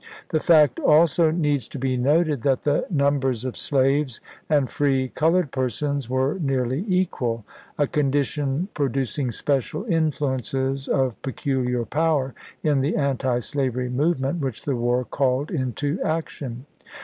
The fact also needs to be noted that the numbers of slaves and free col ored persons were nearly equal; a condition pro ducing special influences of peculiar power in the antislavery movement which the war called into action.